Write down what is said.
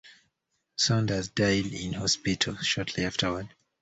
Saunders died in the hospital shortly afterward.